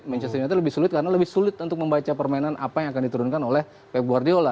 manchester united lebih sulit karena lebih sulit untuk membaca permainan apa yang akan diturunkan oleh pep guardiola